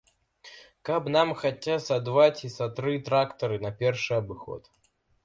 Каб нам хаця са два ці са тры трактары на першы абыход.